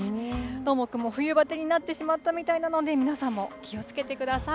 どーもくんも冬バテになってしまったようなので、皆さんも気をつけてください。